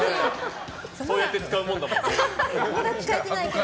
そうやって使うものだもんね。